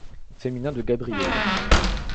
Féminin de Gabriel.